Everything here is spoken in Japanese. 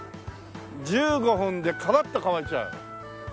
１５分でカラッと乾いちゃう。